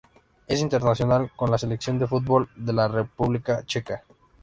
Es internacional con la selección de fútbol de la República Checa.